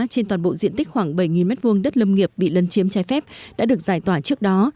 trên toàn bộ diện tích khoảng bảy m hai đất lâm nghiệp bị lân chiếm trái phép đã được giải tỏa trước đó